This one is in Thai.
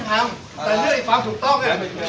ถ้าเป็นลูกผู้ชาย